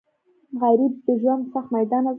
غریب د ژوند سخت میدان ازمویلی وي